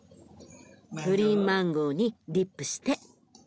グリーンマンゴーにディップして。